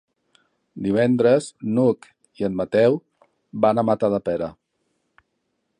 Divendres n'Hug i en Mateu van a Matadepera.